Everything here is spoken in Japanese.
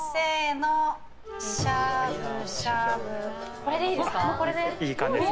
これでいいですか？